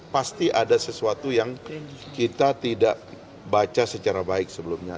pasti ada sesuatu yang kita tidak baca secara baik sebelumnya